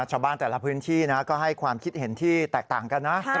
ชาวบ้านแต่ละพื้นที่นะก็ให้ความคิดเห็นที่แตกต่างกันนะ